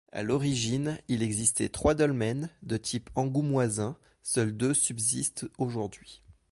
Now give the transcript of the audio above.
A l'origine, il existait trois dolmens, de type angoumoisins, seuls deux subsistent aujourd'hui.